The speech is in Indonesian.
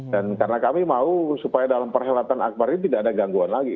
dan karena kami mau supaya dalam perhelatan akhbar ini tidak ada gangguan lagi